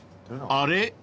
［あれ？